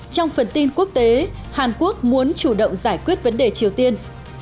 trong phần tin quốc tế hàn quốc muốn chủ động giải quyết vấn đề triều tiên